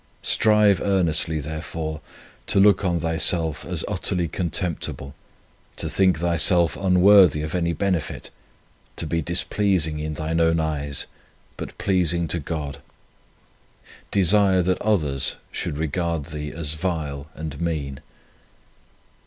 Strive earnestly, therefore, to look on thyself as utterly con temptible, to think thyself un worthy of any benefit, to be dis pleasing in thine own eyes, but pleasing to God. Desire that 94 The Contempt of Self others should regard thee as vile and mean.